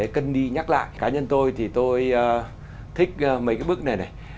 cân đi nhắc lại cá nhân tôi thì tôi thích mấy cái bức này này